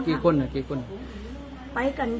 กินซักกว่า